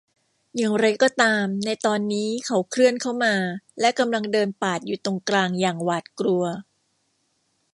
อย่างไรก็ตามในตอนนี้เขาเคลื่อนเข้ามาและกำลังเดินปาดอยู่ตรงกลางอย่างหวาดกลัว